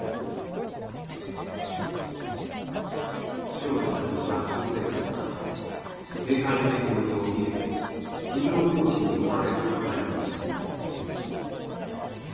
少女たちの学校生活は警戒警報におびえ勤労奉仕に追われる毎日でした。